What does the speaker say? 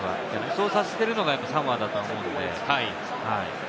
そうさせているのがサモアだと思います。